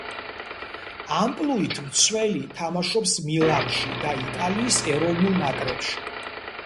ამპლუით მცველი, თამაშობს მილანში და იტალიის ეროვნულ ნაკრებში.